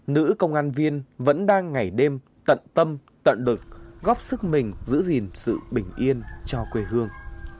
nữ công an viên vẫn đang ngày đêm tận tâm tận lực góp sức mình giữ gìn sự bình yên cho quê hương